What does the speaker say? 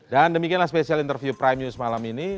dan demikianlah spesial interview prime news malam ini